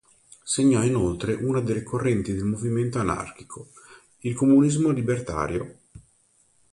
Segnò inoltre una delle correnti del movimento anarchico, il comunismo libertario.